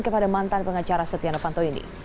kepada mantan pengacara setia novanto ini